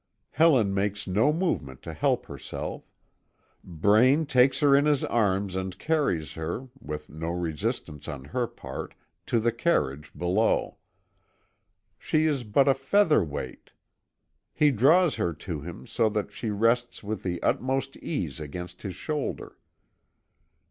Helen makes no movement to help herself. Braine takes her in his arms and carries her, with no resistance on her part, to the carriage below. She is but a feather weight. He draws her to him so that she rests with the utmost ease against his shoulder.